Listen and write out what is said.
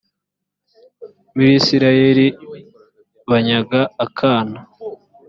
muri isirayeli banyaga akana